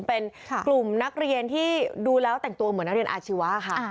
เป็นกลุ่มนักเรียนที่ดูแล้วแต่งตัวเหมือนนักเรียนอาชีวะค่ะ